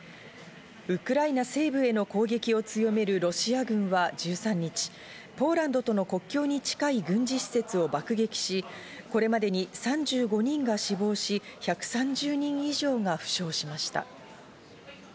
ウクライナ西部への攻撃を強めるロシア軍は１３日、ポーランドとの国境に近い軍事施設を爆撃し、これまでに３５人が死亡し、１３０人以上が負傷しました。